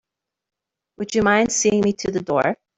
Would you mind seeing me to the door?